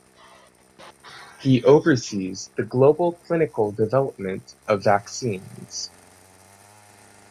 He oversees the global clinical development of vaccines.